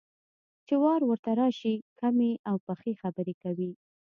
چې وار ورته راشي، کمې او پخې خبرې کوي.